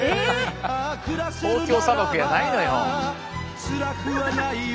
「東京砂漠」やないのよ。